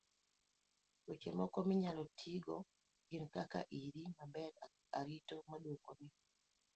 weche moko minyalo tigo gin kaka; iri maber, arito duoko ni